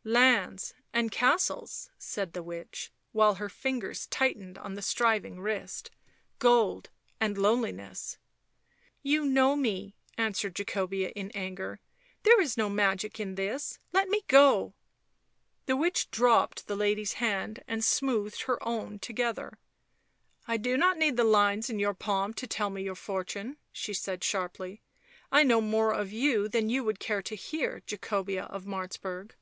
" Lands and castles,' 5 said the witch, while her fingers tightened on the striving wrist. " Gold and loneliness 55 " You know me," answered Jacobea, in anger. " There is no magic in this ... let me go ! 55 The witch dropped the lady's hand and smoothed her own together. <( I do not need the lines in your palm to tell me your fortune," she said sharply. " I know more of you than you would care to hear, Jacobea of Martzburg."